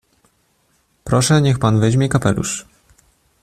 "Proszę niech pan weźmie kapelusz."